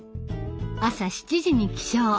朝７時に起床。